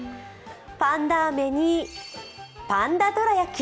パンダあめにパンダどら焼き。